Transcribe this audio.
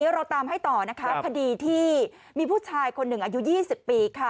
ทีนี้เราตามให้ต่อคดีที่มีผู้ชายคนหนึ่งอายุ๒๐ปี